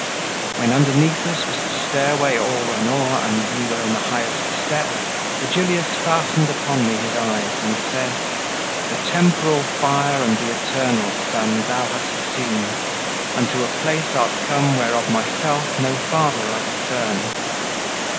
When underneath us was the stairway all Run o'er, and we were on the highest step, Virgilius fastened upon me his eyes, And said: "The temporal fire and the eternal, Son, thou hast seen, and to a place art come Where of myself no farther I discern.